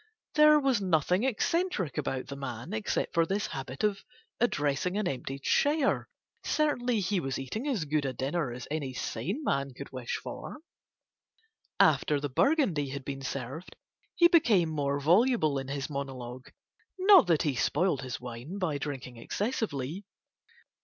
There was nothing eccentric about the man except for this habit of addressing an empty chair, certainly he was eating as good a dinner as any sane man could wish for. After the Burgundy had been served he became more voluble in his monologue, not that he spoiled his wine by drinking excessively.